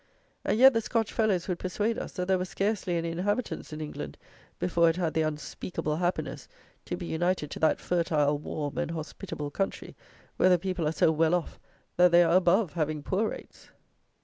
And yet the Scotch fellows would persuade us, that there were scarcely any inhabitants in England before it had the unspeakable happiness to be united to that fertile, warm, and hospitable country, where the people are so well off that they are above having poor rates!